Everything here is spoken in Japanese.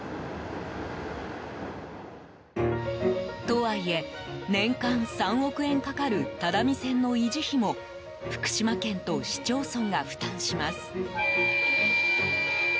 とはいえ、年間３億円かかる只見線の維持費も福島県と市町村が負担します。